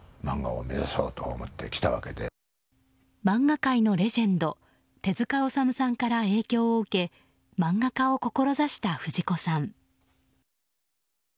漫画界のレジェンド手塚治虫さんから影響を受け漫画家を志した藤子さん。